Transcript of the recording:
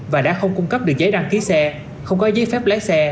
và đã không cung cấp được giấy đăng ký xe không có giấy phép lái xe